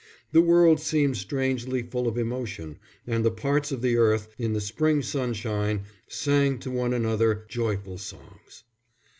The world seemed strangely full of emotion, and the parts of the earth, in the spring sunshine, sang to one another joyful songs.